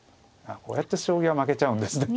こうやって将棋は負けちゃうんですね。